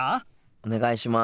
お願いします。